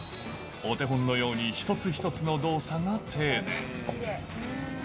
お手本のように一つ一つの動作が丁寧。